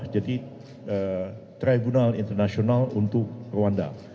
jadi tribunal internasional untuk rwanda